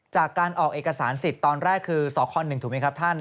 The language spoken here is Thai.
จากการออกเอกสารสิทธิ์ตอนแรกคือสค๑ถูกไหมครับท่าน